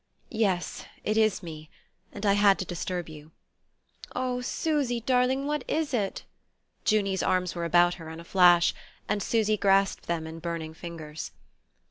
"Yes, it is me. And I had to disturb you." "Oh, Susy, darling, what is it?" Junie's arms were about her in a flash, and Susy grasped them in burning fingers.